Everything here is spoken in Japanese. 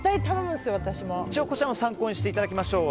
こちらも参考にしていただきましょう。